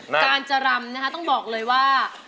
การจะรำนะคะต้องบอกเลยว่า